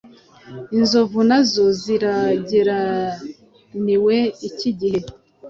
inzovu nazo zirageramiwe iki gihe